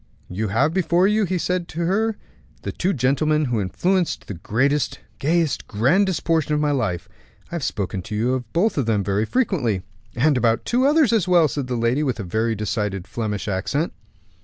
"You have before you," he said to her, "the two gentlemen who influenced the greatest, gayest, grandest portion of my life. I have spoken to you about them both very frequently." "And about two others as well," said the lady, with a very decided Flemish accent.